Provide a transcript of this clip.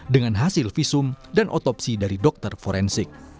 dengan hasil visum dan otopsi dari dokter forensik